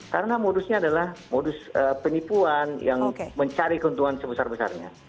karena modusnya adalah modus penipuan yang mencari keuntungan sebesar besarnya